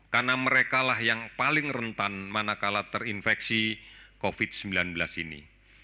karena mereka yang paling rentan manakala terinfeksi covid sembilan belas ini